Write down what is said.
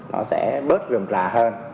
nó sẽ bớt rừng rà hơn